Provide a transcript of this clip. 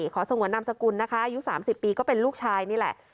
สงวนนามสกุลนะคะอายุ๓๐ปีก็เป็นลูกชายนี่แหละ